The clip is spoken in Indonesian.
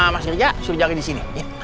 mas riza suruh jalanin disini